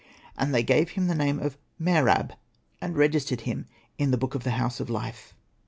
And they gave him the name of Mer ab, and registered him in the book of the ' House of life.'